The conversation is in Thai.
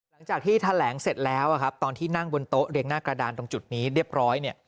หลังจากที่แถลงเสร็จแล้วครับตอนที่นั่งบนโต๊ะเรียงหน้ากระดานตรงจุดนี้เรียบร้อยเนี่ย